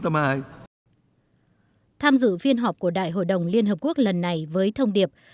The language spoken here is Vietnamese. tham dự phiên họp của đại hội đồng liên hợp quốc lần này với thông điệp